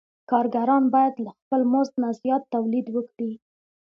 کارګران باید له خپل مزد زیات تولید وکړي